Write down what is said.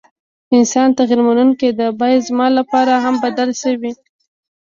انسان تغير منونکي ده ، بايد زما لپاره هم بدله شوې ،